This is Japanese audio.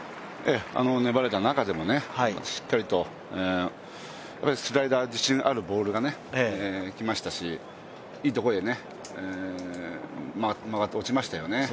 粘れられた中でもしっかりとスライダー、自信ある球がいきましたし、いいところへ曲がって落ちましたよね。